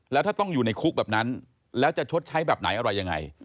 แล้วถ้าต้องอยู่ในคุกแบบนั้นแล้วจะชดใช้แบบไหนอะไรยังไง